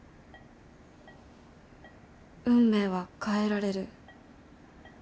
運命は変えられる。